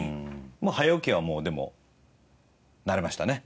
早起きはもうでも慣れましたね？